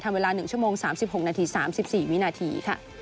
เวลา๑ชั่วโมง๓๖นาที๓๔วินาที